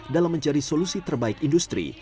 dalam mencari solusi terbaik industri